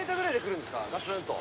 ガツンと。